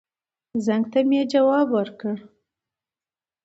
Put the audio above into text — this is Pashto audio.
زنګ ته مې يې ځواب ور کړ.